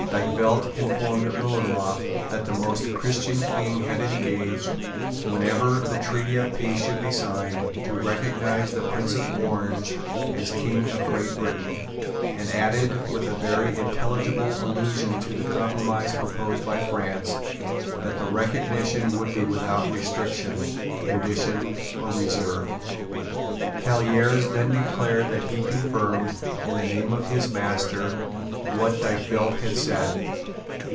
Dykvelt informed Lilienroth that the Most Christian King had engaged, whenever the Treaty of Peace should be signed, to recognise the Prince of Orange as King of Great Britain, and added, with a very intelligible allusion to the compromise proposed by France, that the recognition would be without restriction, condition or reserve. Callieres then declared that he confirmed, in the name of his master, what Dykvelt had said.